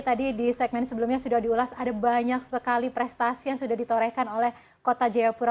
tadi di segmen sebelumnya sudah diulas ada banyak sekali prestasi yang sudah ditorehkan oleh kota jayapura